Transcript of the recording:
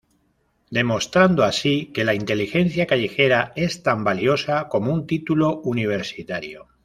Demostrando así que la inteligencia callejera es tan valiosa como un título universitario.